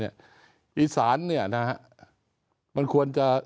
อีสานมันควรจะ